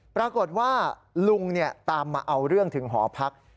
ปรากฏว่าลุงตามมาเอาเรื่องถึงหอพัก